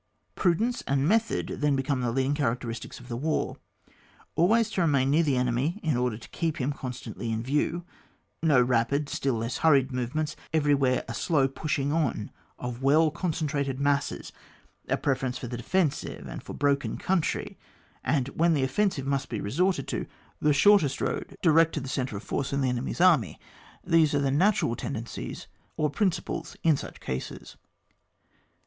Prudence and method become then the leading charac teristics of the war. Always to remain near the enemy in order to keep him constantly in view — no rapid, still less hurried movements, everywhere a slow pushing on of well concentrated masses * A preference for the defensive and for broken country, and, when the offensive must be resorted to, the shortest road direct to the centre of force in the en«ny'a army — these are the natural tendea^ies or principles in such cases.